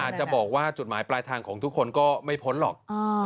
อาจจะบอกว่าจุดหมายปลายทางของทุกคนก็ไม่พ้นหรอก